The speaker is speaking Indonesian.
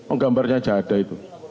oh gambarnya aja ada itu